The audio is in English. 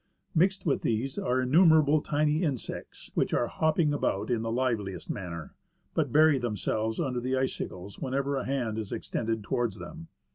^ Mixed with these are innumerable tiny insects, which are hopping about in the liveliest manner, but bury themselves under the icicles whenever a hand is extended towards them.